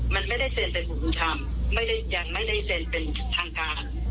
มันไม่ได้เซ็นเป็นบุคคุณธรรมยังไม่ได้เซ็นเป็นทางการ